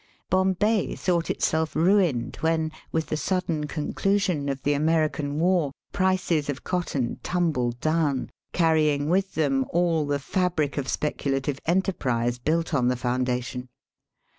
Bombay thought itself ruined when, with the sudden conclusion of the American War^ Digitized by VjOOQIC 182 EAST BY WEST. prices of cotton tumbled down, carrying with them all the fabric of speculative enterprise built on the foundation.